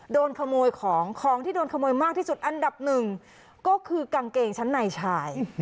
โดนขโมยของของที่โดนขโมยมากที่สุดอันดับหนึ่งก็คือกางเกงชั้นในชาย